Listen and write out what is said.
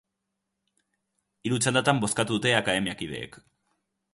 Hiru txandatan bozkatu dute akademiakideek.